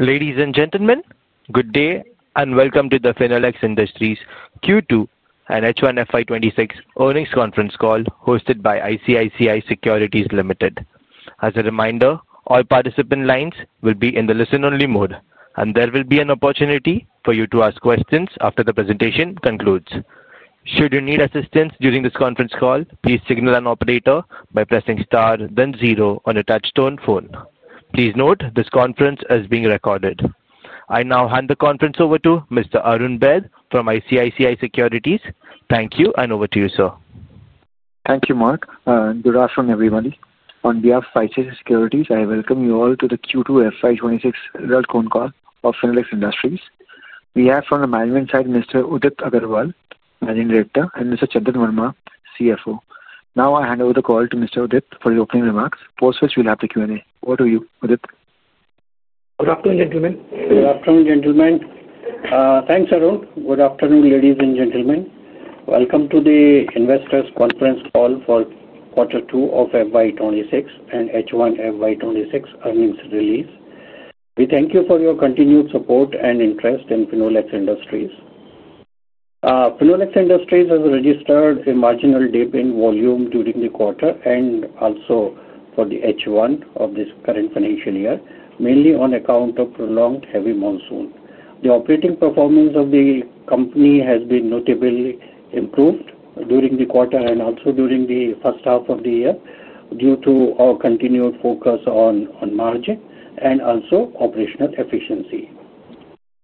Ladies and gentlemen, good day and welcome to the Finolex Industries Q2 and H1 FY 2026 earnings conference call hosted by ICICI Securities Limited. As a reminder, all participant lines will be in the listen-only mode, and there will be an opportunity for you to ask questions after the presentation concludes. Should you need assistance during this conference call, please signal an operator by pressing star, then zero on a touch-tone phone. Please note this conference is being recorded. I now hand the conference over to Mr. Arun Baid from ICICI Securities. Thank you, and over to you, sir. Thank you, Mark. Good afternoon, everybody. On behalf of ICICI Securities, I welcome you all to the Q2 FY 2026 result call of Finolex Industries. We have, from the management side, Mr. Udipt Agarwal, Managing Director, and Mr. Chandan Verma, CFO. Now I hand over the call to Mr. Udith for his opening remarks, post which we'll have the Q&A. Over to you, Udith. Good afternoon, gentlemen. Good afternoon, gentlemen. Thanks, Arun. Good afternoon, ladies and gentlemen. Welcome to the investors' conference call for Q2 of FY 2026 and H1FY 20 26 earnings release. We thank you for your continued support and interest in Finolex Industries. Finolex Industries has registered a marginal dip in volume during the quarter and also for the H1 of this current financial year, mainly on account of prolonged heavy monsoon. The operating performance of the company has been notably improved during the quarter and also during the first half of the year due to our continued focus on margin and also operational efficiency.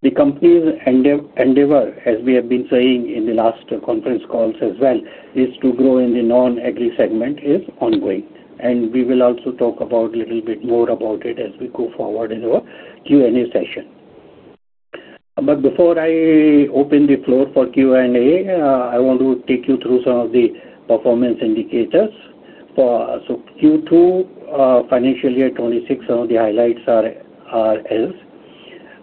The company's endeavor, as we have been saying in the last conference calls as well, is to grow in the non-agri segment, is ongoing. We will also talk a little bit more about it as we go forward in our Q&A session. Before I open the floor for Q&A, I want to take you through some of the performance indicators. Q2 financial year 2026, some of the highlights are as follows.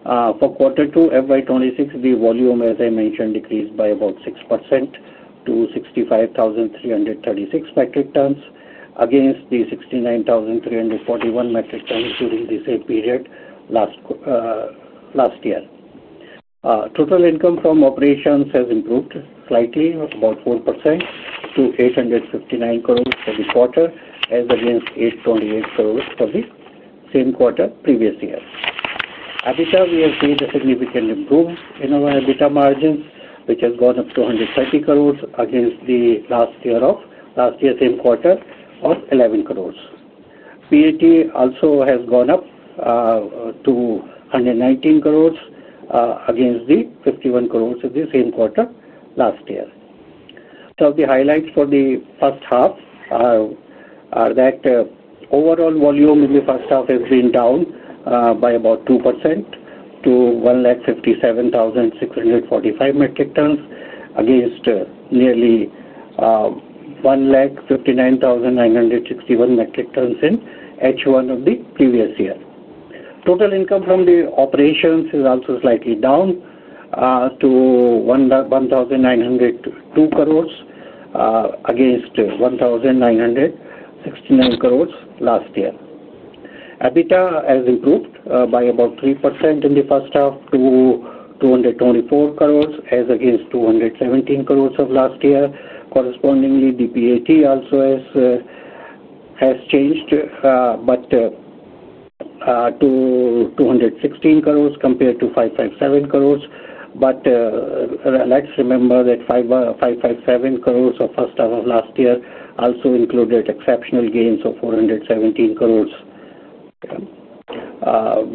For Q2 FY 2026, the volume, as I mentioned, decreased by about 6% to 65,336 metric tons against the 69,341 metric tons during the same period last year. Total income from operations has improved slightly, about 4% to 859 crore for the quarter, as against 828 crore for the same quarter previous year. EBITDA, we have seen a significant improvement in our EBITDA margins, which has gone up to 130 crore against the last year, same quarter, of 11 crore. PAT also has gone up to 119 crore against the 51 crore of the same quarter last year. Some of the highlights for the first half are that overall volume in the first half has been down by about 2% to 157,645 metric tons against nearly 159,961 metric tons in H1 of the previous year. Total income from the operations is also slightly down to 1,902 crore against 1,969 crore last year. EBITDA has improved by about 3% in the first half to 224 crore, as against 217 crore of last year. Correspondingly, the PAT also has changed to 216 crore compared to 557 crore. Let's remember that 557 crore of first half of last year also included exceptional gains of 417 crore.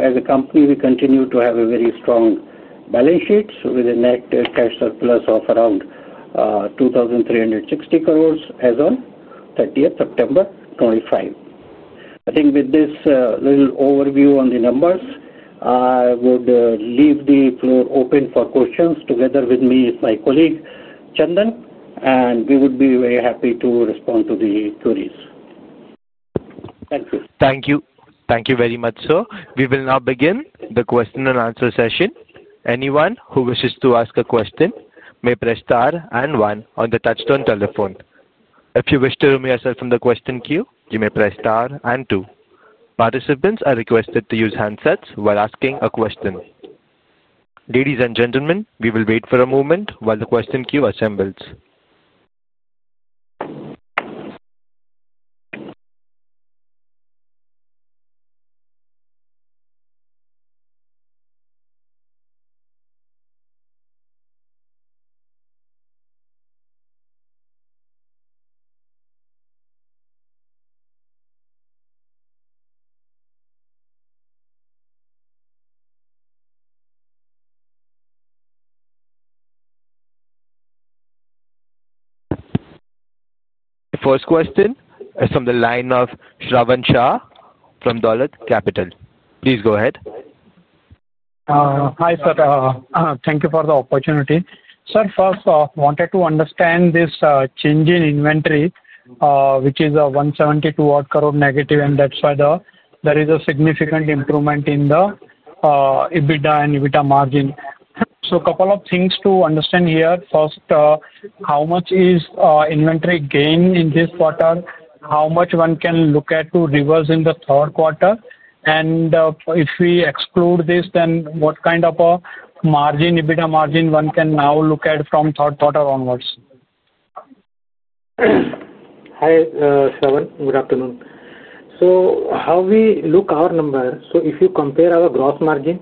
As a company, we continue to have a very strong balance sheet with a net cash surplus of around 2,360 crore as of 30th September 2025. I think with this little overview on the numbers, I would leave the floor open for questions. Together with me, my colleague Chandan, and we would be very happy to respond to the queries. Thank you. Thank you. Thank you very much, sir. We will now begin the question and answer session. Anyone who wishes to ask a question may press star and one on the touchstone telephone. If you wish to remove yourself from the question queue, you may press star and two. Participants are requested to use handsets while asking a question. Ladies and gentlemen, we will wait for a moment while the question queue assembles. The first question is from the line of Shravan Shah from Dolat Capital Advisors. Please go ahead. Hi, sir. Thank you for the opportunity. Sir, first off, I wanted to understand this change in inventory, which is 172 crore negative, and that's why there is a significant improvement in the EBITDA and EBITDA margin. A couple of things to understand here. First, how much is inventory gain in this quarter? How much one can look at to reverse in the third quarter? If we exclude this, then what kind of margin, EBITDA margin one can now look at from third quarter onwards? Hi, Shravan. Good afternoon. How we look at our number, if you compare our gross margin,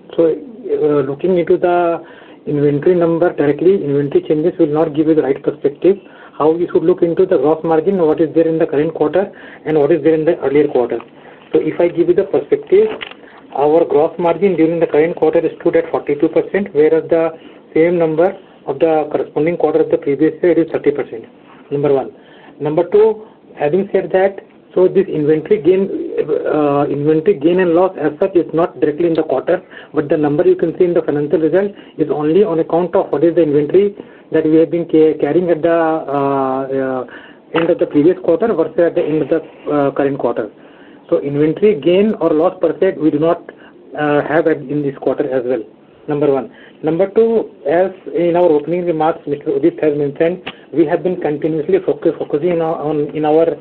looking into the inventory number directly, inventory changes will not give you the right perspective. How we should look into the gross margin, what is there in the current quarter, and what is there in the earlier quarter? If I give you the perspective, our gross margin during the current quarter stood at 42%, whereas the same number of the corresponding quarter of the previous year is 30%. Number one. Number two, having said that, this inventory gain and loss as such is not directly in the quarter, but the number you can see in the financial result is only on account of what is the inventory that we have been carrying at the end of the previous quarter versus at the end of the current quarter. Inventory gain or loss per se, we do not have in this quarter as well. Number one. Number two, as in our opening remarks, Mr. Udith has mentioned, we have been continuously focusing on our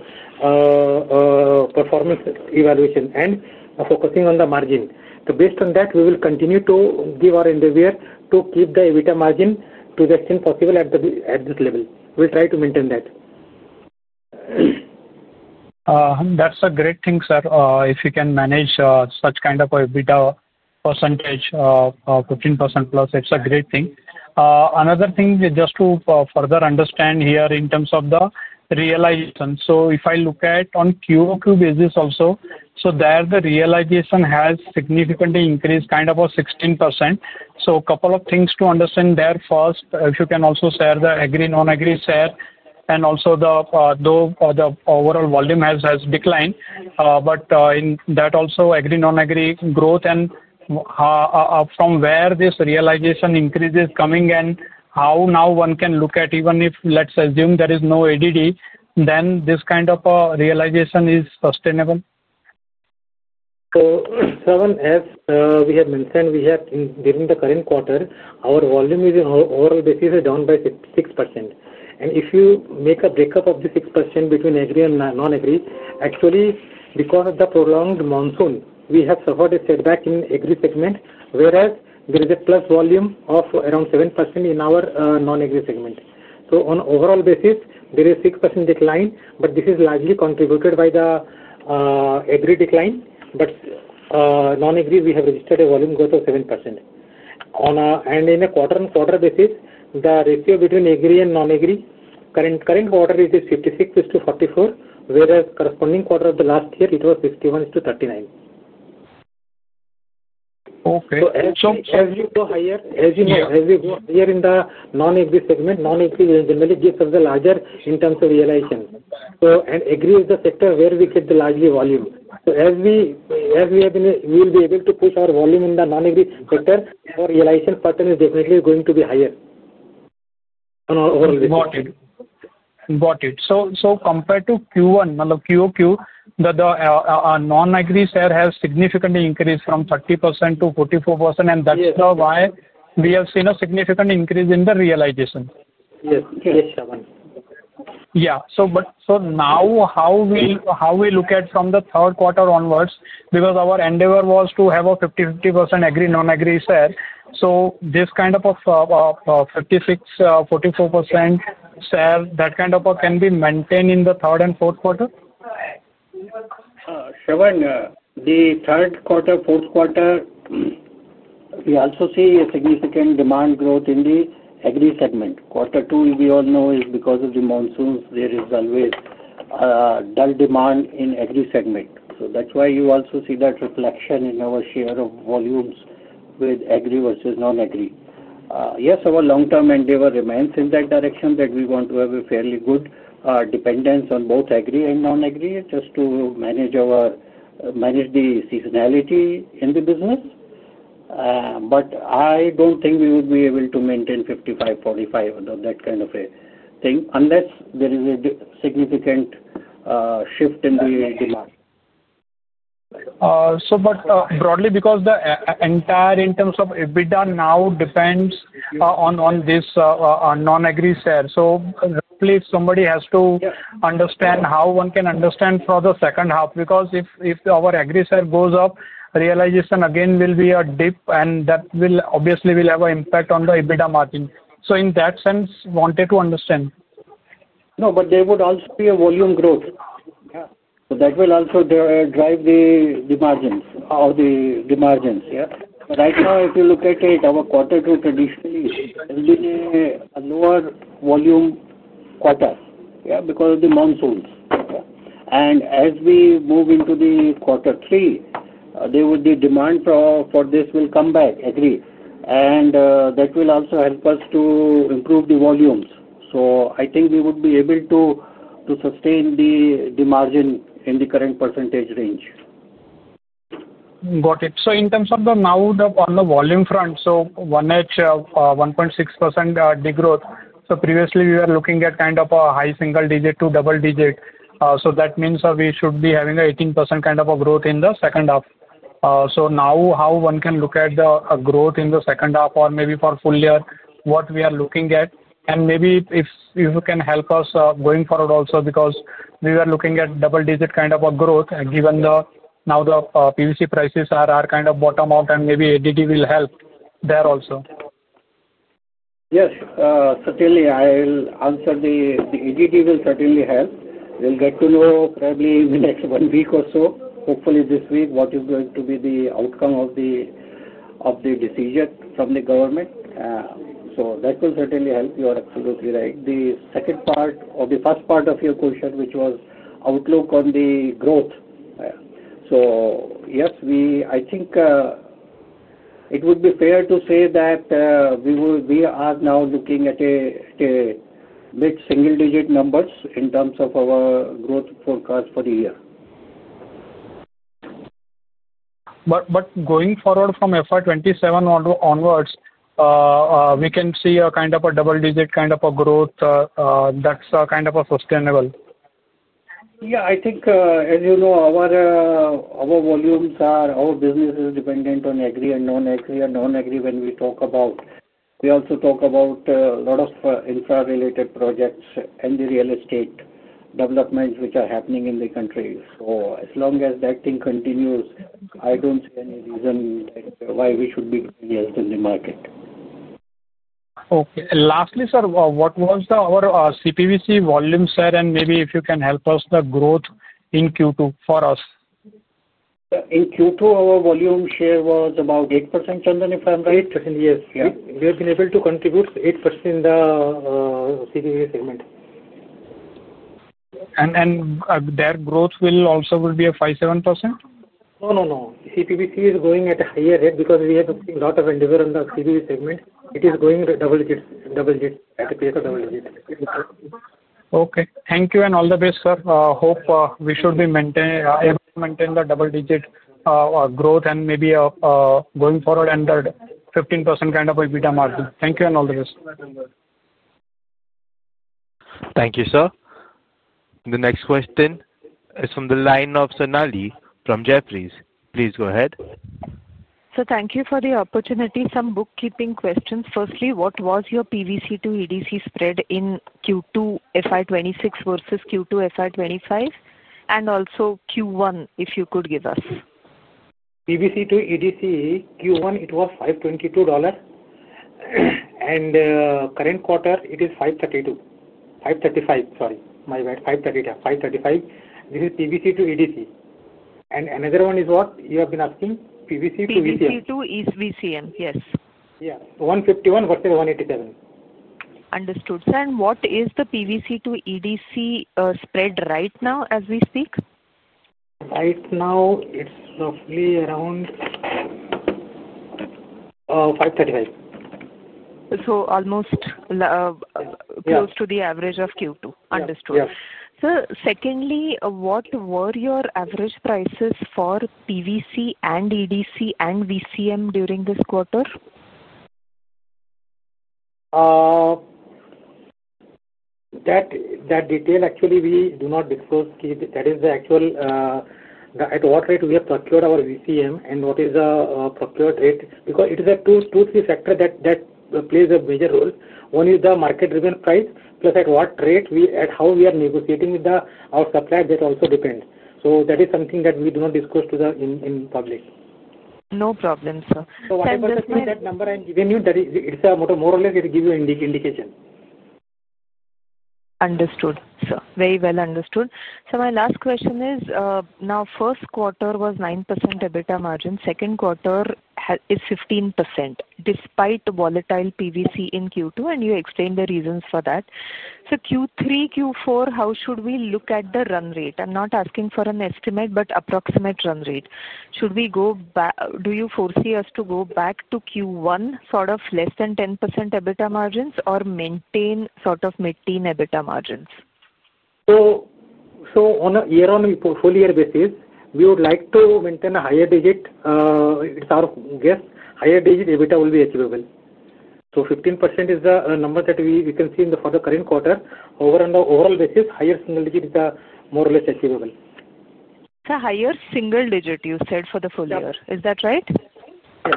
performance evaluation and focusing on the margin. Based on that, we will continue to give our end of year to keep the EBITDA margin to the extent possible at this level. We will try to maintain that. That's a great thing, sir. If you can manage such kind of a EBITDA percentage of 15%+, it's a great thing. Another thing, just to further understand here in terms of the realization, so if I look at on QoQ basis also, so there the realization has significantly increased kind of 16%. So a couple of things to understand there first, if you can also share the agri/non-agri share, and also though the overall volume has declined, but in that also agri/non-agri growth, and from where this realization increase is coming, and how now one can look at even if, let's assume there is no ADD, then this kind of realization is sustainable? Shravan, as we have mentioned, we have during the current quarter, our volume is on an overall basis down by 6%. If you make a breakup of the 6% between agri and non-agri, actually, because of the prolonged monsoon, we have suffered a setback in agri segment, whereas there is a plus volume of around 7% in our non-agri segment. On an overall basis, there is a 6% decline, but this is largely contributed by the agri decline, but non-agri, we have registered a volume growth of 7%. On a quarter-on-quarter basis, the ratio between agri and non-agri current quarter is 56 to 44, whereas corresponding quarter of the last year, it was 61 to 39. Okay. As you go higher, as you go higher in the non-agri segment, non-agri generally gives us the larger in terms of realization. And agri is the sector where we get the largely volume. As we will be able to push our volume in the non-agri sector, our realization pattern is definitely going to be higher on an overall basis. Got it. So compared to Q1, Q2, the non-agri share has significantly increased from 30%-44%, and that's why we have seen a significant increase in the realization. Yes, Shravan. Yeah. So now how we look at from the third quarter onwards, because our endeavor was to have a 50%-50% agri/non-agri share, so this kind of a 56%-44% share, that kind of a can be maintained in the third and fourth quarter? Shravan, the third quarter, fourth quarter, we also see a significant demand growth in the agri segment. Quarter two, we all know, is because of the monsoons, there is always dull demand in agri segment. That is why you also see that reflection in our share of volumes with agri versus non-agri. Yes, our long-term endeavor remains in that direction that we want to have a fairly good dependence on both agri and non-agri just to manage the seasonality in the business. I do not think we would be able to maintain 55-45 on that kind of a thing unless there is a significant shift in the demand. But broadly, because the entire in terms of EBITDA now depends on this non-agri share, so roughly somebody has to understand how one can understand for the second half, because if our agri share goes up, realization again will be a dip, and that will obviously have an impact on the EBITDA margin. In that sense, wanted to understand. No, but there would also be a volume growth. That will also drive the margins or the margins. Right now, if you look at it, our quarter two traditionally has been a lower volume quarter because of the monsoons. As we move into the quarter three, the demand for this will come back, agree. That will also help us to improve the volumes. I think we would be able to sustain the margin in the current percentage range. Got it. In terms of the now on the volume front, 1H, 1.6% degrowth. Previously, we were looking at kind of a high single digit to double digit. That means we should be having an 18% kind of a growth in the second half. Now how one can look at the growth in the second half or maybe for full year, what we are looking at, and maybe if you can help us going forward also, because we were looking at double digit kind of a growth, given now the PVC prices are kind of bottom out, and maybe ADD will help there also. Yes, certainly I will answer. The ADD will certainly help. We'll get to know probably in the next one week or so, hopefully this week, what is going to be the outcome of the decision from the government. That will certainly help you. You are absolutely right. The second part or the first part of your question, which was outlook on the growth. Yes, I think it would be fair to say that we are now looking at mid-single digit numbers in terms of our growth forecast for the year. Going forward from FY 2027 onwards, we can see a kind of a double-digit kind of a growth that's kind of sustainble. Yeah, I think, as you know, our volumes are our business is dependent on agri and non-agri, and non-agri when we talk about, we also talk about a lot of infra-related projects and the real estate developments which are happening in the country. As long as that thing continues, I do not see any reason why we should be doing less than the market. Okay. Lastly, sir, what was our CPVC volume share and maybe if you can help us the growth in Q2 for us? In Q2, our volume share was about 8%, Chandan, if I'm right. Yes. We have been able to contribute 8% in the CPVC segment. Their growth will also be 5%-7%? No, no. CPVC is going at a higher rate because we have a lot of endeavor on the CPVC segment. It is going double digit at a pace of double digit. Okay. Thank you and all the best, sir. Hope we should be able to maintain the double-digit growth and maybe going forward and 15% kind of EBITDA margin. Thank you and all the best. Thank you, sir. The next question is from the line of Sonali from Jefferies. Please go ahead. Thank you for the opportunity. Some bookkeeping questions. Firstly, what was your PVC to EDC spread in Q2 FY 2026 versus Q2 FY 2025? Also, Q1, if you could give us. PVC to EDC Q1, it was INR 522. In the current quarter, it is $532. $535, sorry. My bad. 535. This is PVC to EDC. Another one is what you have been asking, PVC to VCM. PVC to is VCM, yes. Yeah. 151 versus 187. Understood. Sir, and what is the PVC to EDC spread right now as we speak? Right now, it's roughly around 535. Almost close to the average of Q2. Understood. Yes. Secondly, what were your average prices for PVC and EDC and VCM during this quarter? That detail, actually, we do not disclose. That is the actual at what rate we have procured our VCM and what is the procured rate. Because it is a two, three factor that plays a major role. One is the market-driven price, plus at what rate we at how we are negotiating with our supplier, that also depends. That is something that we do not disclose to the public. No problem, sir. Whatever that number I'm giving you, it more or less gives you an indication. Understood, sir. Very well understood. So my last question is, now first quarter was 9% EBITDA margin, second quarter is 15% despite volatile PVC in Q2, and you explained the reasons for that. So Q3, Q4, how should we look at the run rate? I'm not asking for an estimate, but approximate run rate. Should we go back? Do you foresee us to go back to Q1, sort of less than 10% EBITDA margins, or maintain sort of mid-teen EBITDA margins? On a year-on-year, full-year basis, we would like to maintain a higher digit. It's our guess, higher digit EBITDA will be achievable. 15% is the number that we can see for the current quarter. Overall basis, higher single digit is more or less achievable. Higher single digit, you said, for the full year. Is that right? Yes.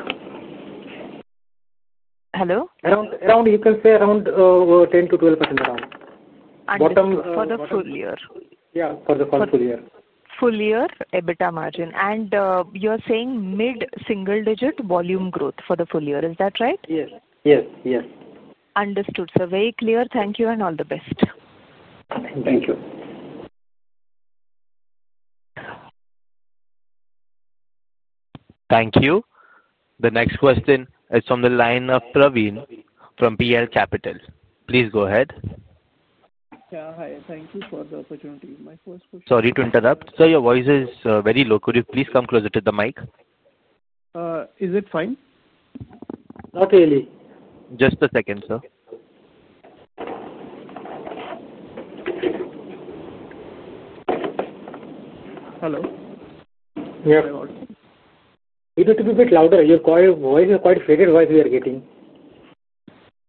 Hello? Around, you can say around 10%-12% around. For the full year? Yeah, for the full year. Full year EBITDA margin. You're saying mid-single digit volume growth for the full year. Is that right? Yes. Yes. Yes. Understood, sir. Very clear. Thank you and all the best. Thank you. Thank you. The next question is from the line of Praveen from BL Capital. Please go ahead. Sir, hi. Thank you for the opportunity. My first question. Sorry to interrupt. Sir, your voice is very low. Could you please come closer to the mic? Is it fine? Not really. Just a second, sir. Hello. Yes. You need to be a bit louder. Your voice is quite faded voice we are getting.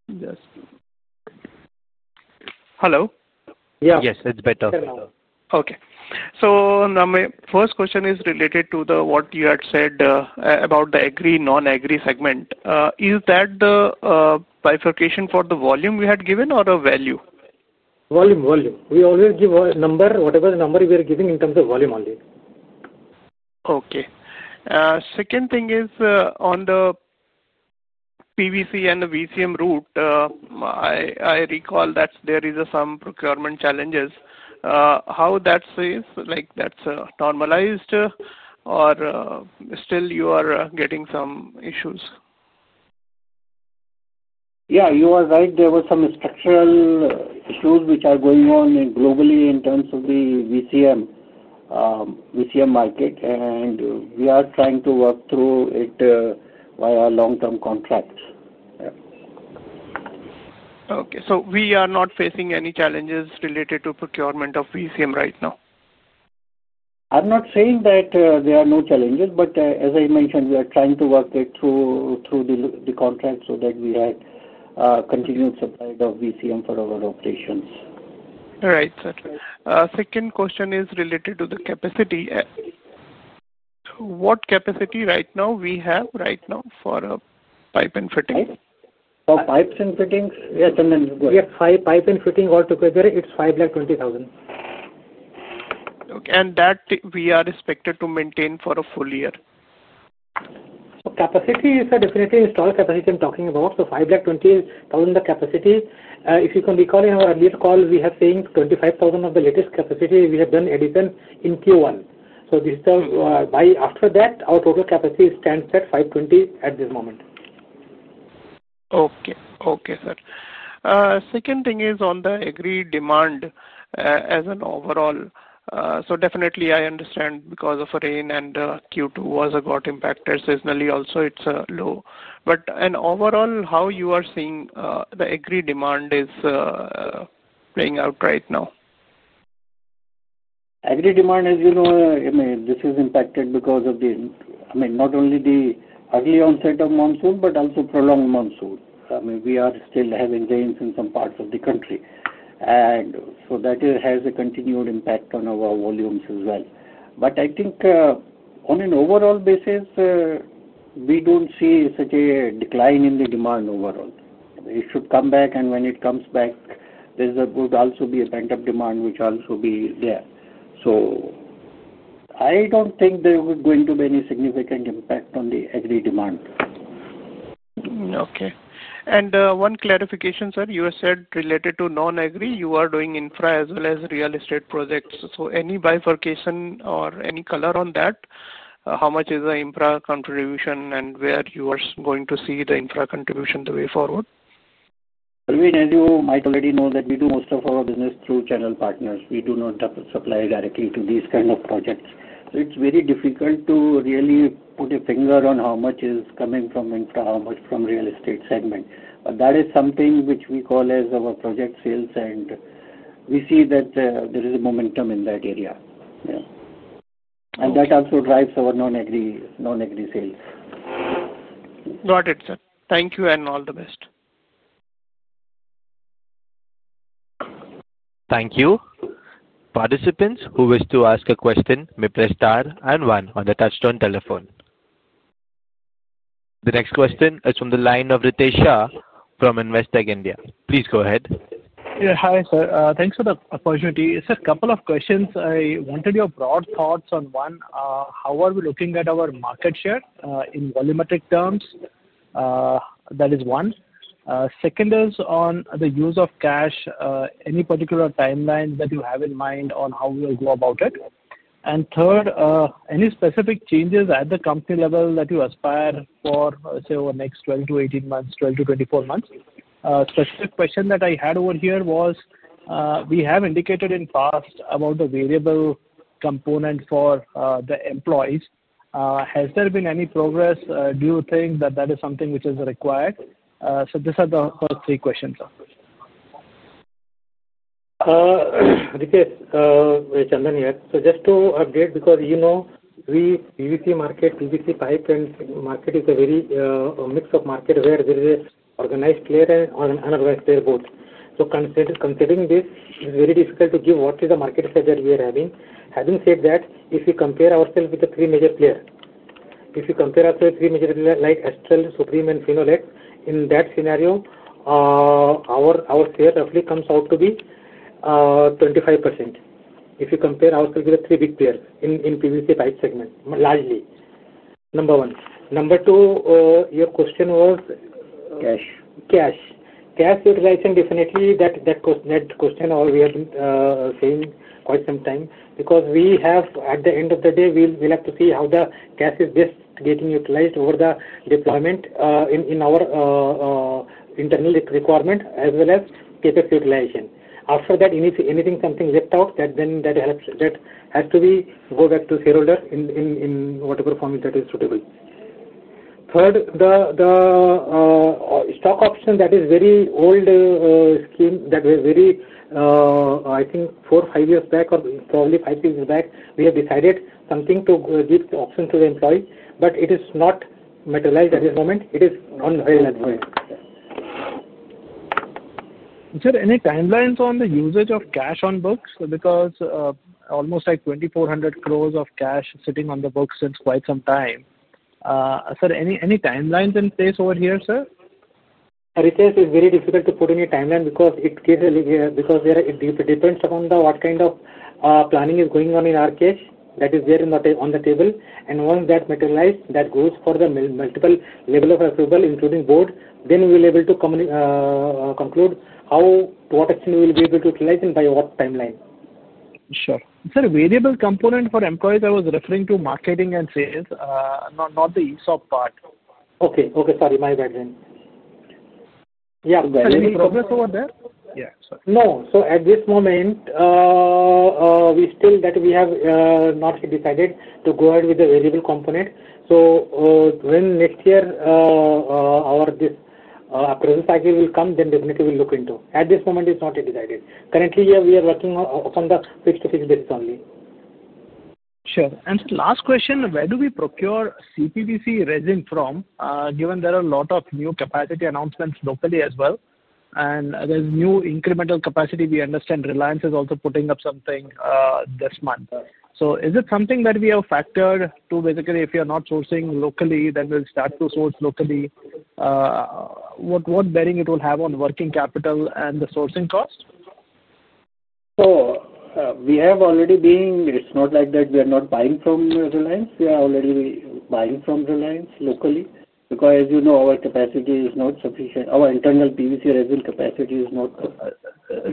Yes. Hello? Yeah. Yes, it's better. Okay. So my first question is related to what you had said about the agri/non-agri segment. Is that the bifurcation for the volume we had given or a value? Volume. We always give a number, whatever the number we are giving in terms of volume only. Okay. Second thing is on the PVC and the VCM route, I recall that there are some procurement challenges. How that saves? That's normalized or still you are getting some issues? Yeah, you are right. There were some structural issues which are going on globally in terms of the VCM market, and we are trying to work through it via long-term contracts. Okay. So we are not facing any challenges related to procurement of VCM right now? I'm not saying that there are no challenges, but as I mentioned, we are trying to work it through the contract so that we have continued supply of VCM for our operations. Right. Second question is related to the capacity. What capacity right now we have for pipe and fittings? For pipes and fittings, yes, Chandran. We have five pipe and fitting altogether. It's 520,000. Okay. And that we are expected to maintain for a full year? Capacity is definitely installed capacity I am talking about. 520,000 capacity. If you can recall in our earlier call, we have seen 25,000 of the latest capacity we have done addition in Q1. This is why after that, our total capacity stands at 520,000 at this moment. Okay. Okay, sir. Second thing is on the agri demand as an overall. So definitely I understand because of rain and Q2 was a got impacted, seasonally also, it's low. But overall, how you are seeing the agri demand is playing out right now? Agri demand, as you know, I mean, this is impacted because of the, I mean, not only the early onset of monsoon, but also prolonged monsoon. I mean, we are still having rains in some parts of the country. That has a continued impact on our volumes as well. I think on an overall basis, we don't see such a decline in the demand overall. It should come back, and when it comes back, there would also be a pent-up demand which will also be there. I don't think there would go into any significant impact on the agri demand. Okay. One clarification, sir. You said related to non-agri, you are doing infra as well as real estate projects. Any bifurcation or any color on that? How much is the infra contribution and where are you going to see the infra contribution going forward? As you might already know, that we do most of our business through channel partners. We do not supply directly to these kind of projects. It is very difficult to really put a finger on how much is coming from infra, how much from real estate segment. That is something which we call as our project sales, and we see that there is a momentum in that area. That also drives our non-agri sales. Got it, sir. Thank you and all the best. Thank you. Participants who wish to ask a question may press star and one on the touch-tone telephone. The next question is from the line of Ritesh Shah from Investec India. Please go ahead. Yeah, hi sir. Thanks for the opportunity. It's a couple of questions. I wanted your broad thoughts on one, how are we looking at our market share in volumetric terms? That is one. Second is on the use of cash, any particular timeline that you have in mind on how we will go about it? Third, any specific changes at the company level that you aspire for, say, over the next 12-18 months, 12-24 months? Specific question that I had over here was, we have indicated in past about the variable component for the employees. Has there been any progress? Do you think that that is something which is required? These are the first three questions. Ritesh, wait, Chandran here. Just to update, because we, PVC market, PVC pipe and market is a very mix of market where there is organized player and unorganized player both. Considering this, it's very difficult to give what is the market share that we are having. Having said that, if we compare ourselves with the three major players, if we compare ourselves with three major players like Astral, Supreme, and Finolex, in that scenario, our share roughly comes out to be 25%. If you compare ourselves with the three big players in PVC pipe segment, largely. Number one. Number two, your question was. Cash. Cash. Cash utilization definitely, that question we have been saying quite some time. Because we have, at the end of the day, we'll have to see how the cash is best getting utilized over the deployment in our internal requirement as well as CapEx utilization. After that, anything, something left out, then that has to go back to shareholder in whatever form that is suitable. Third, the stock option, that is very old scheme, that was very, I think, four, five years back or probably five years back, we have decided something to give option to the employee, but it has not materialized at this moment. It is on file as well. Sir, any timelines on the usage of cash on books? Because almost 2,400 crore of cash sitting on the books since quite some time. Sir, any timelines in place over here, sir? Ritesh, it's very difficult to put any timeline because it depends upon what kind of planning is going on in our cash that is there on the table. Once that materializes, that goes for the multiple level of approval, including board, then we'll be able to conclude how what action we will be able to utilize and by what timeline. Sure. Sir, variable component for employees, I was referring to marketing and sales, not the ESOP part. Okay. Okay, sorry. My bad then. Yeah, any progress over there? Yeah, sorry. No. So at this moment, we still that we have not decided to go ahead with the variable component. When next year our approval cycle will come, then definitely we'll look into. At this moment, it's not decided. Currently, yeah, we are working on the fixed-to-fixed basis only. Sure. Last question, where do we procure CPVC resin from? Given there are a lot of new capacity announcements locally as well, and there is new incremental capacity, we understand Reliance is also putting up something this month. Is it something that we have factored, to basically, if you are not sourcing locally, then we will start to source locally? What bearing will it have on working capital and the sourcing cost? We have already been, it's not like that we are not buying from Reliance. We are already buying from Reliance locally. Because, as you know, our capacity is not sufficient. Our internal PVC resin capacity is not.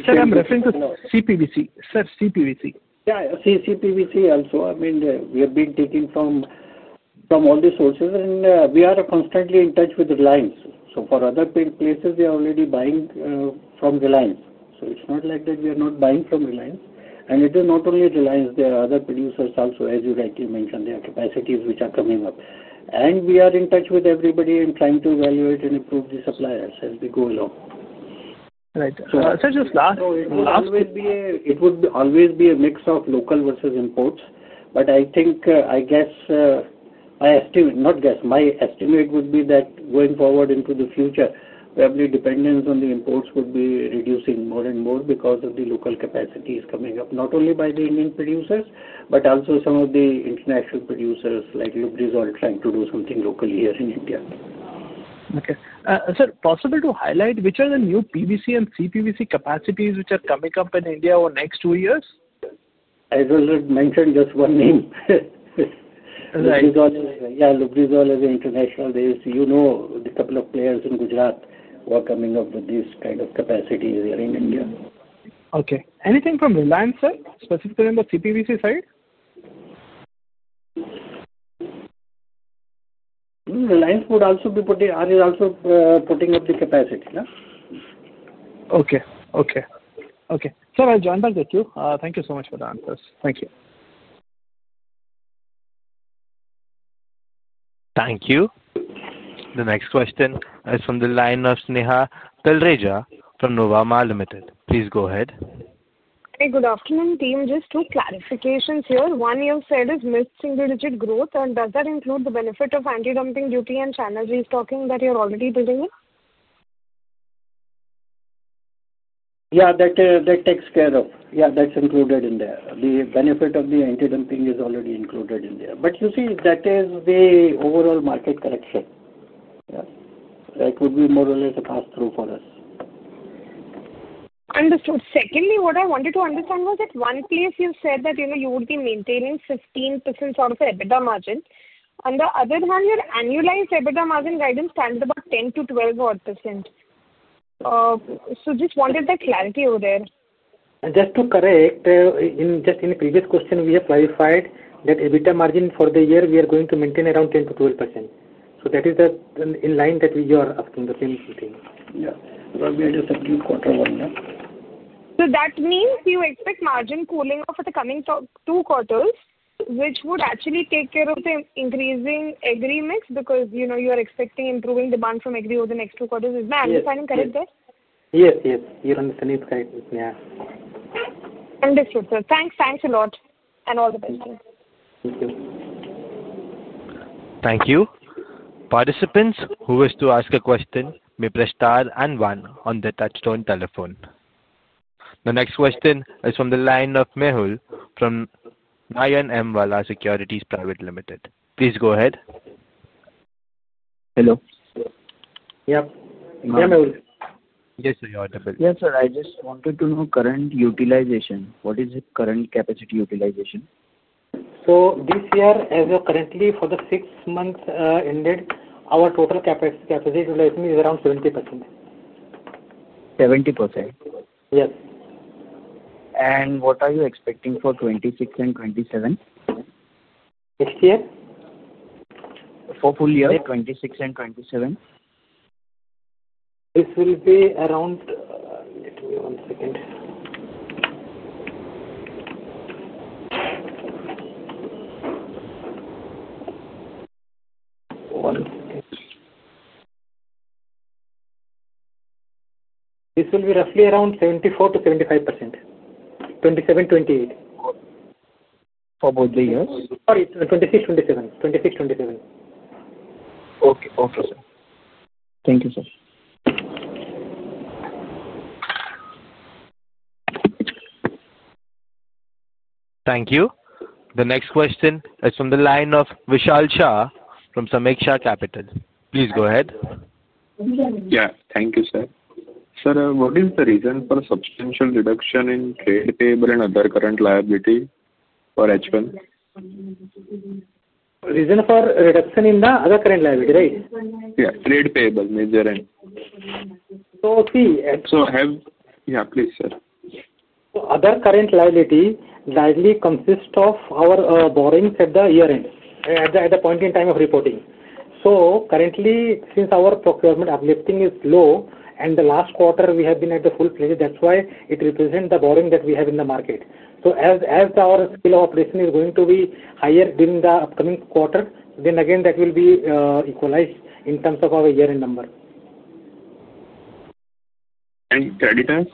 Sir, I'm referring to CPVC. Sir, CPVC. Yeah, CPVC also. I mean, we have been taking from all the sources, and we are constantly in touch with Reliance. For other places, we are already buying from Reliance. It is not like that we are not buying from Reliance. It is not only Reliance. There are other producers also, as you rightly mentioned, their capacities which are coming up. We are in touch with everybody and trying to evaluate and improve the suppliers as we go along. Right. Sir, just last. It will always be a mix of local versus imports. I think, I guess, I estimate, not guess. My estimate would be that going forward into the future, probably dependence on the imports would be reducing more and more because of the local capacities coming up, not only by the Indian producers, but also some of the international producers like Lubrizol trying to do something locally here in India. Okay. Sir, possible to highlight which are the new PVC and CPVC capacities which are coming up in India over next two years? As I mentioned, just one name. Right. Yeah, Lubrizol as an international base. You know a couple of players in Gujarat who are coming up with these kind of capacities here in India. Okay. Anything from Reliance, sir? Specifically on the CPVC side? Reliance is also putting up the capacity. Okay. Okay. Okay. Sir, I'll join back with you. Thank you so much for the answers. Thank you. Thank you. The next question is from the line of Sneha Talreja from Novuma Limited. Please go ahead. Hey, good afternoon, team. Just two clarifications here. One, you said is mid-single digit growth, and does that include the benefit of anti-dumping duty and channel restocking that you're already building in? Yeah, that takes care of. Yeah, that's included in there. The benefit of the anti-dumping is already included in there. You see, that is the overall market correction. That would be more or less a pass-through for us. Understood. Secondly, what I wanted to understand was that one place you said that you would be maintaining 15% sort of EBITDA margin. On the other hand, your annualized EBITDA margin guidance stands about 10%-12%. So just wanted that clarity over there. Just to correct, just in the previous question, we have clarified that EBITDA margin for the year we are going to maintain around 10%-12%. That is in line that you are asking the same thing. Yeah. Probably just a few quarter one. That means you expect margin cooling off for the coming two quarters, which would actually take care of the increasing agri mix because you are expecting improving demand from agri over the next two quarters. Is my understanding correct there? Yes, yes. Your understanding is correct, Sneha. Understood, sir. Thanks. Thanks a lot. All the best. Thank you. Thank you. Participants who wish to ask a question may press star and one on the touch-tone telephone. The next question is from the line of Mehul from Nayan M Vala Securities Private Limited. Please go ahead. Hello. Yeah. Yeah, Mehul. Yes, sir. You are the best. Yes, sir. I just wanted to know current utilization. What is the current capacity utilization? This year, as of currently, for the six months ended, our total capacity utilization is around 70%. 70%. Yes. What are you expecting for 2026 and 2027? Next year? For full year. 2026 and 2027? This will be around, let me, one second. One second. This will be roughly around 74%-75%, 2027, 2028. For both the years? Sorry, 2026, 2027. 2026, 2027. Okay. Okay, sir. Thank you, sir. Thank you. The next question is from the line of Vishal Shah from Sameeksha Capital. Please go ahead. Yeah. Thank you, sir. Sir, what is the reason for substantial reduction in trade payable and other current liability for H1? Reason for reduction in the other current liability, right? Yeah. Trade payable, major end. So see. Yeah, please, sir. Other current liability largely consists of our borrowings at the year-end, at the point in time of reporting. Currently, since our procurement uplifting is low, and the last quarter we have been at the full place, that is why it represents the borrowing that we have in the market. As our scale of operation is going to be higher during the upcoming quarter, then again that will be equalized in terms of our year-end number. Credit end?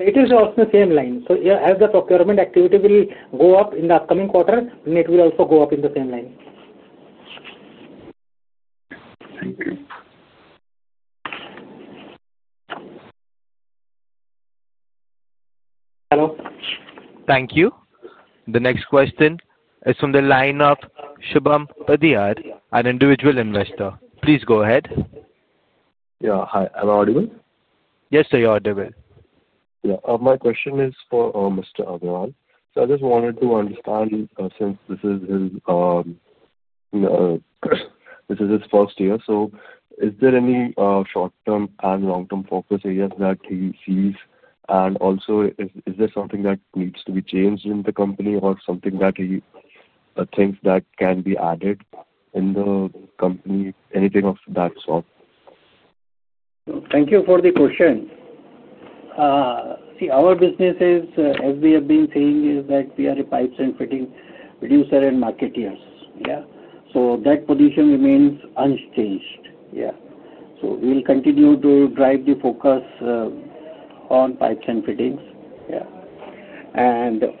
It is also the same line. As the procurement activity will go up in the upcoming quarter, it will also go up in the same line. Thank you. Hello. Thank you. The next question is from the line of Shubham Padhiyar, an individual investor. Please go ahead. Yeah. Hi. Am I audible? Yes, sir. You're audible. Yeah. My question is for Mr. Agarwal. I just wanted to understand since this is his first year, is there any short-term and long-term focus areas that he sees? Also, is there something that needs to be changed in the company or something that he thinks that can be added in the company? Anything of that sort? Thank you for the question. See, our business is, as we have been saying, is that we are a pipes and fittings producer and marketers. Yeah. That position remains unchanged. Yeah. We will continue to drive the focus on pipes and fittings. Yeah.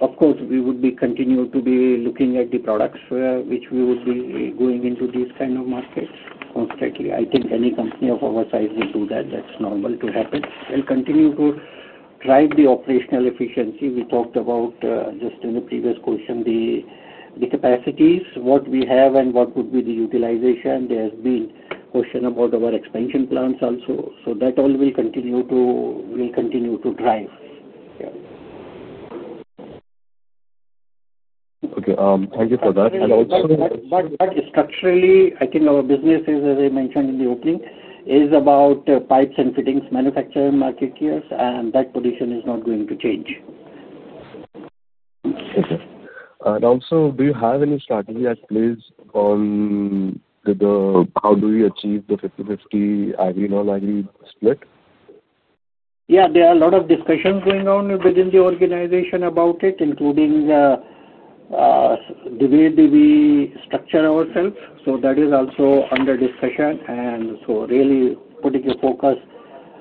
Of course, we would be continuing to be looking at the products which we would be going into these kind of markets constantly. I think any company of our size will do that. That is normal to happen. We will continue to drive the operational efficiency. We talked about just in the previous question, the capacities, what we have, and what would be the utilization. There has been question about our expansion plans also. That all will continue to drive. Yeah. Okay. Thank you for that. Also. Structurally, I think our business is, as I mentioned in the opening, is about pipes and fittings manufacturer and marketers, and that position is not going to change. Okay. Also, do you have any strategy at place on how do we achieve the 50/50 agri-non-agri split? Yeah. There are a lot of discussions going on within the organization about it, including the way we structure ourselves. That is also under discussion. Really putting a focus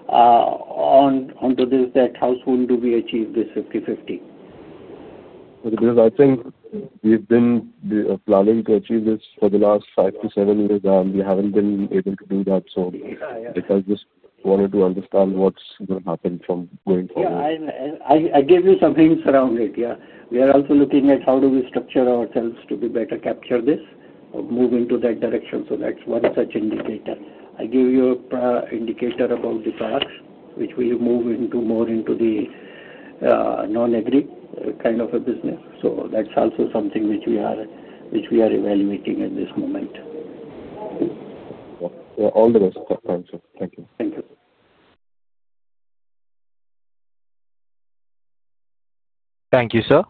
onto this, that how soon do we achieve this 50/50. Because I think we've been planning to achieve this for the last five to seven years, and we haven't been able to do that. I just wanted to understand what's going to happen from going forward. Yeah. I gave you some hints around it. Yeah. We are also looking at how do we structure ourselves to better capture this, move into that direction. That is one such indicator. I gave you an indicator about the SARC, which we move more into the non-agri kind of a business. That is also something which we are evaluating at this moment. Yeah. All the best. Thank you. Thank you. Thank you, sir.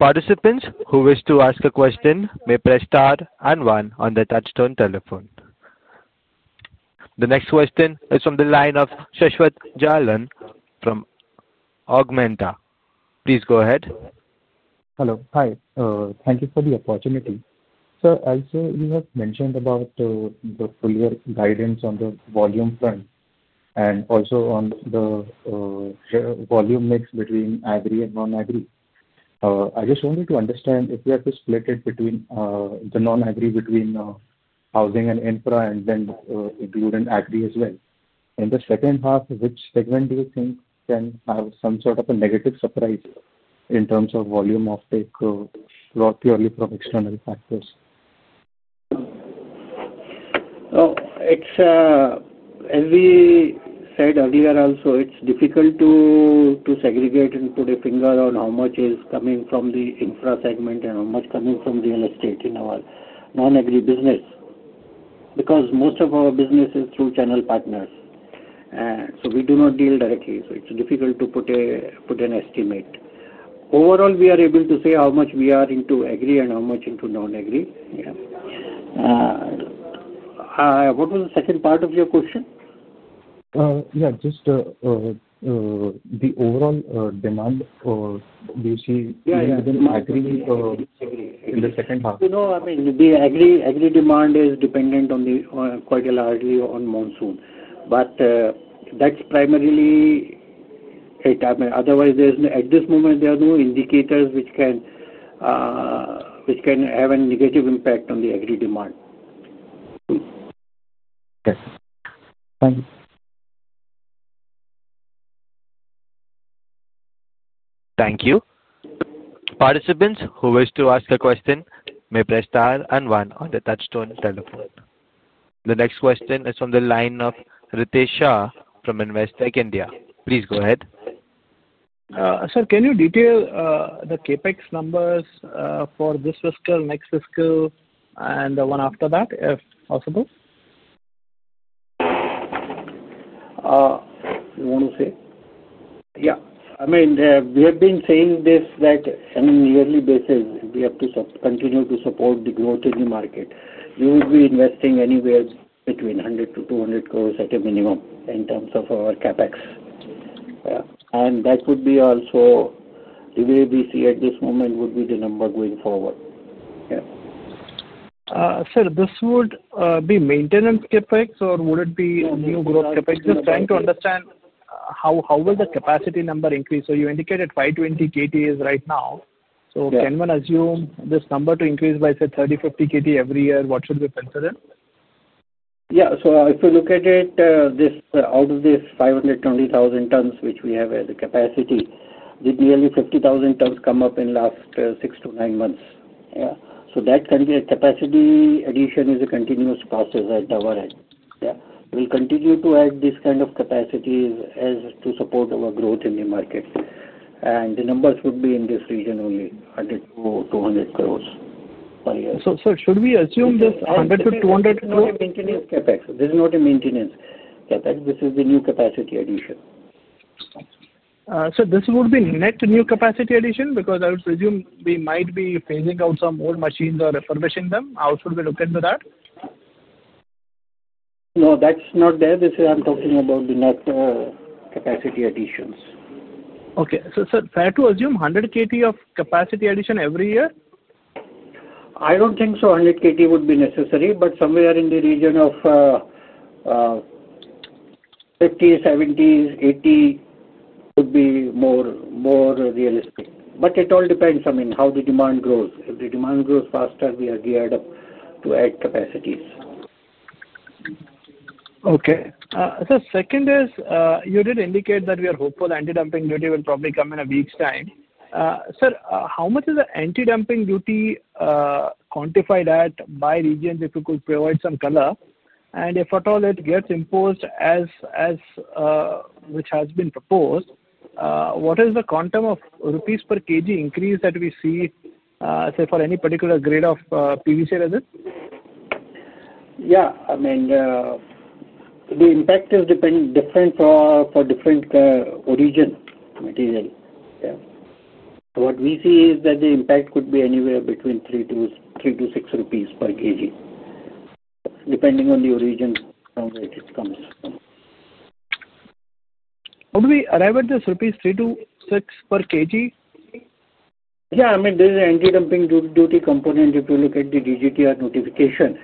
Participants who wish to ask a question may press star and one on the touch-tone telephone. The next question is from the line of Shashwath Jalan from Augmenta. Please go ahead. Hello. Hi. Thank you for the opportunity. Sir, as you have mentioned about the full year guidance on the volume front and also on the volume mix between agri and non-agri, I just wanted to understand if we have to split it between the non-agri between housing and infra and then include an agri as well. In the second half, which segment do you think can have some sort of a negative surprise in terms of volume offtake purely from external factors? Oh, as we said earlier also, it's difficult to segregate and put a finger on how much is coming from the infra segment and how much is coming from real estate in our non-agri business. Because most of our business is through channel partners, we do not deal directly. It's difficult to put an estimate. Overall, we are able to say how much we are into agri and how much into non-agri. Yeah. What was the second part of your question? Yeah. Just the overall demand, do you see within agri in the second half? You know, I mean, the agri demand is dependent on quite largely on monsoon. That is primarily it. Otherwise, at this moment, there are no indicators which can have a negative impact on the agri demand. Yes. Thank you. Thank you. Participants who wish to ask a question may press star and one on the touch-tone telephone. The next question is from the line of Ritesh Shah from Investec India. Please go ahead. Sir, can you detail the CapEx numbers for this fiscal, next fiscal, and the one after that, if possible? You want to say? Yeah. I mean, we have been saying this that on a yearly basis, we have to continue to support the growth in the market. We would be investing anywhere between 100 crore-200 crore at a minimum in terms of our CapEx. That would be also the way we see at this moment would be the number going forward. Yeah. Sir, this would be maintenance CapEx, or would it be new growth CapEx? Just trying to understand how will the capacity number increase. You indicated 520 KTs right now. Can one assume this number to increase by, say, 30 KT-50 KT every year? What should we consider? Yeah. If we look at it, out of this 520,000 tons which we have as a capacity, did nearly 50,000 tons come up in the last six to nine months? Yeah. That capacity addition is a continuous process at our end. Yeah. We'll continue to add this kind of capacity to support our growth in the market. The numbers would be in this region only, 100- 200 crore per year. Sir, should we assume this 100-200 crores? This is not a maintenance CapEx. This is the new capacity addition. Sir, this would be net new capacity addition because I would presume we might be phasing out some old machines or refurbishing them. How should we look into that? No, that's not there. I'm talking about the net capacity additions. Okay. So, sir, fair to assume 100 KT of capacity addition every year? I don't think so. 100 KT would be necessary, but somewhere in the region of 50-70-80 would be more realistic. It all depends, I mean, how the demand grows. If the demand grows faster, we are geared up to add capacities. Okay. Sir, second is you did indicate that we are hopeful anti-dumping duty will probably come in a week's time. Sir, how much is the anti-dumping duty quantified at by region if you could provide some color? If at all it gets imposed as which has been proposed, what is the quantum of rupees per kg increase that we see, say, for any particular grade of PVC resin? Yeah. I mean, the impact is different for different region material. Yeah. What we see is that the impact could be anywhere between 3-6 rupees per kg, depending on the origin from which it comes. How do we arrive at this 3-6 rupees per kg? Yeah. I mean, there is an anti-dumping duty component if you look at the DGTR notification.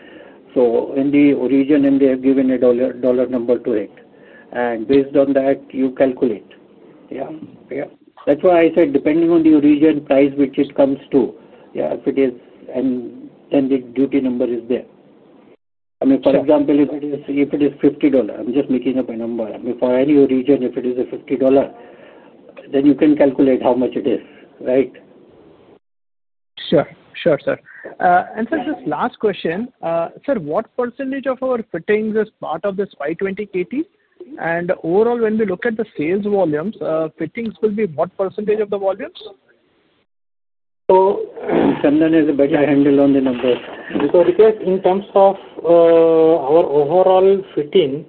In the origin, they have given a dollar number to it. Based on that, you calculate. Yeah. Yeah. That's why I said depending on the origin price which it comes to, yeah, if it is, and then the duty number is there. I mean, for example, if it is $50, I'm just making up a number. I mean, for any origin, if it is $50, then you can calculate how much it is, right? Sure. Sure, sir. Sir, just last question. Sir, what percentage of our fittings is part of this 520 KT? Overall, when we look at the sales volumes, fittings will be what percentage of the volumes? Oh, Chandan has a better handle on the numbers. So in terms of our overall fitting,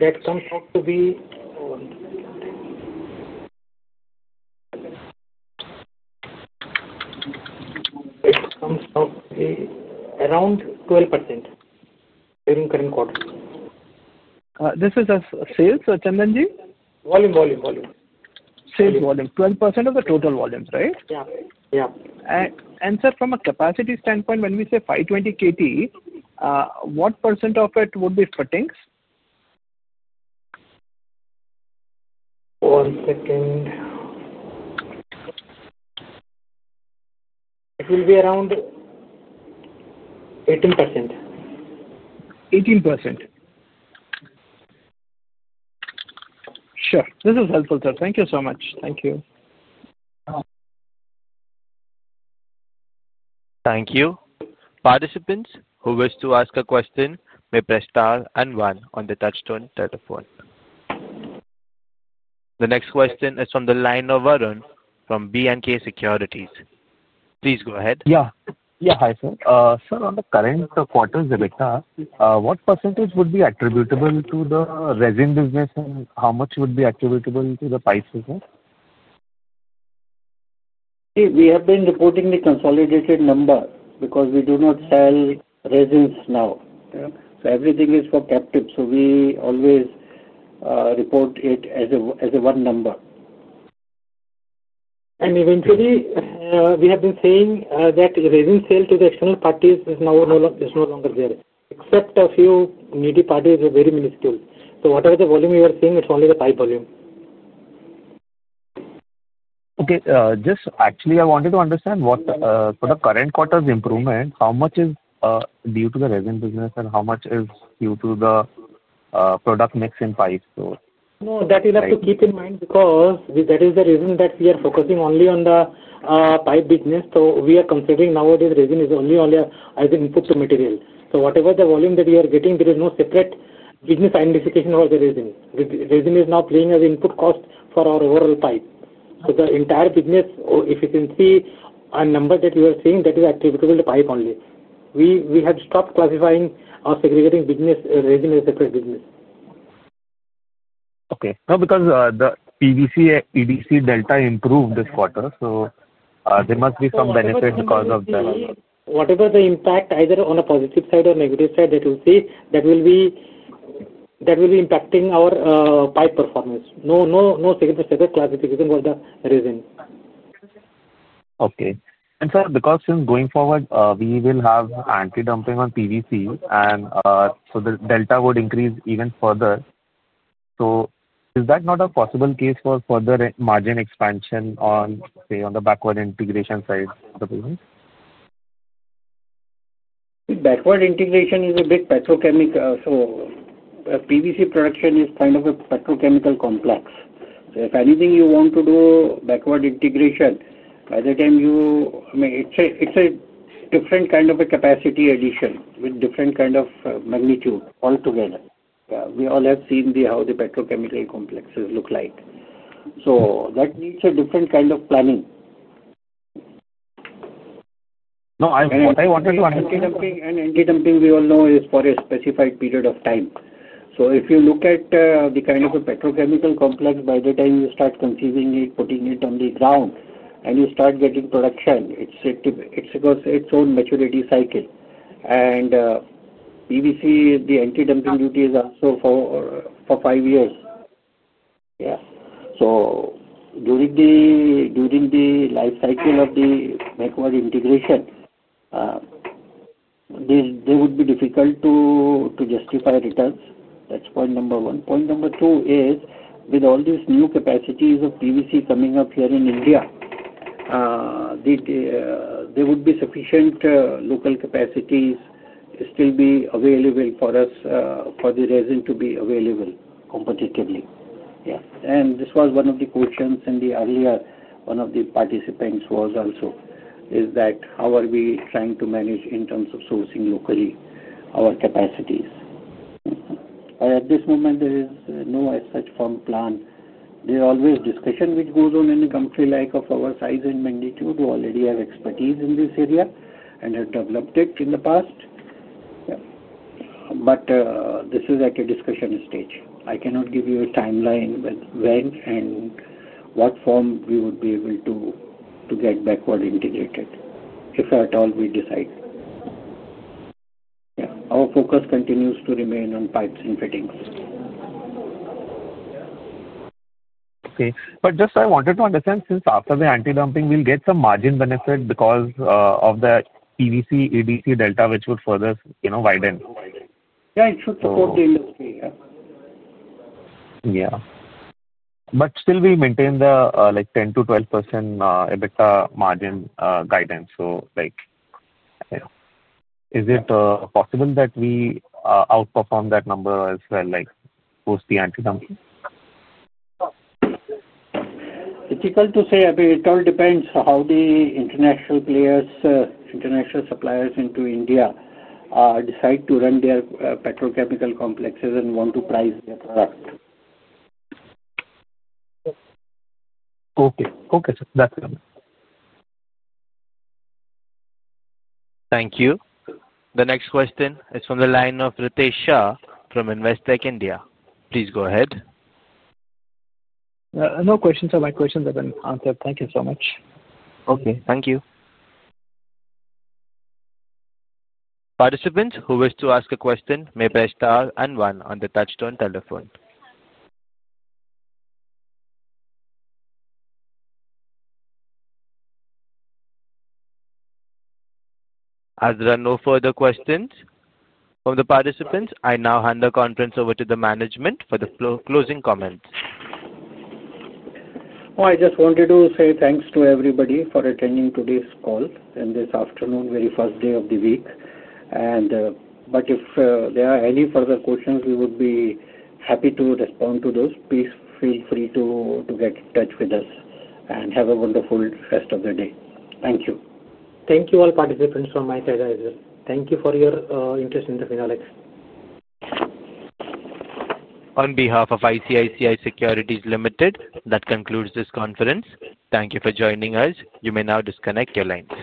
that comes out to be around 12% during current quarter. This is sales? Volume, volume, volume. Sales volume. 12% of the total volume, right? Yeah. Yeah. Sir, from a capacity standpoint, when we say 520 KT, what percent of it would be fittings? One second. It will be around 18%. 18%. Sure. This is helpful, sir. Thank you so much. Thank you. Thank you. Participants who wish to ask a question may press star and one on the touch-tone telephone. The next question is from the line of Aran from B&K Securities. Please go ahead. Yeah. Yeah. Hi, sir. Sir, on the current quarter's data, what percentage would be attributable to the resin business, and how much would be attributable to the pipe business? See, we have been reporting the consolidated number because we do not sell resins now. Everything is for captive. We always report it as one number. Eventually, we have been saying that resin sale to the external parties is no longer there, except a few nitty parties that are very minuscule. Whatever the volume we are seeing, it's only the pipe volume. Okay. Just actually, I wanted to understand for the current quarter's improvement, how much is due to the resin business, and how much is due to the product mix in pipes? No, that you have to keep in mind because that is the reason that we are focusing only on the pipe business. So we are considering nowadays resin is only as an input material. So whatever the volume that we are getting, there is no separate business identification for the resin. Resin is now playing as an input cost for our overall pipe. So the entire business efficiency and number that we are seeing, that is attributable to pipe only. We have stopped classifying or segregating resin as a separate business. Okay. No, because the PVC delta improved this quarter, so there must be some benefit because of the. Whatever the impact, either on a positive side or negative side, that you see, that will be impacting our pipe performance. No separate classification for the resin. Okay. Sir, because since going forward, we will have anti-dumping on PVC, the delta would increase even further. Is that not a possible case for further margin expansion on, say, on the backward integration side of the business? Backward integration is a bit petrochemical. PVC production is kind of a petrochemical complex. If anything, you want to do backward integration, by the time you, I mean, it's a different kind of a capacity addition with a different kind of magnitude altogether. We all have seen how the petrochemical complexes look like. That needs a different kind of planning. No, I wanted to understand. Anti-dumping and anti-dumping, we all know, is for a specified period of time. If you look at the kind of a petrochemical complex, by the time you start conceiving it, putting it on the ground, and you start getting production, it's its own maturity cycle. PVC, the anti-dumping duty is also for five years. Yeah. During the life cycle of the backward integration, they would be difficult to justify returns. That's point number one. Point number two is, with all these new capacities of PVC coming up here in India, there would be sufficient local capacities still be available for us for the resin to be available competitively. Yeah. This was one of the questions in the earlier one of the participants was also, is that how are we trying to manage in terms of sourcing locally our capacities? At this moment, there is no such firm plan. There is always discussion which goes on in a country like ours of this size and magnitude. We already have expertise in this area and have developed it in the past. This is at a discussion stage. I cannot give you a timeline with when and what form we would be able to get backward integrated if at all we decide. Yeah. Our focus continues to remain on pipes and fittings. Okay. I just wanted to understand, since after the anti-dumping, we'll get some margin benefit because of the PVC-ADC delta, which would further widen. Yeah. It should support the industry. Yeah. Yeah. Still, we maintain the 10-12% EBITDA margin guidance. Is it possible that we outperform that number as well, post the anti-dumping? Difficult to say. It all depends how the international players, international suppliers into India, decide to run their petrochemical complexes and want to price their product. Okay. Okay. Sir, that's it. Thank you. The next question is from the line of Ritesh Shah from Investec India. Please go ahead. No questions. My questions have been answered. Thank you so much. Okay. Thank you. Participants who wish to ask a question may press star and one on the touchtone telephone. As there are no further questions from the participants, I now hand the conference over to the management for the closing comments. I just wanted to say thanks to everybody for attending today's call this afternoon, very first day of the week. If there are any further questions, we would be happy to respond to those. Please feel free to get in touch with us and have a wonderful rest of the day. Thank you. Thank you, all participants, for my advisor. Thank you for your interest in Finolex. On behalf of ICICI Securities Limited, that concludes this conference. Thank you for joining us. You may now disconnect your line.